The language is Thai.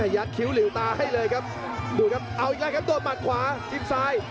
ยัดคิ้วหลิวตาให้เลยครับดูครับเอาอีกแล้วครับโดนหมัดขวาจิ้มซ้าย